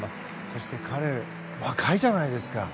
そして彼若いじゃないですか。